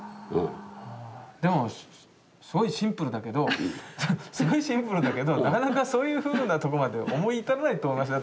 でもすごいシンプルだけどすごいシンプルだけどなかなかそういうふうなとこまで思い至らないと思いますよ。